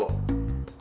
ntar aja deh